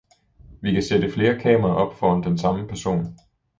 Vi kan sætte flere kameraer op foran den samme person